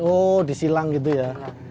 oh disilang gitu ya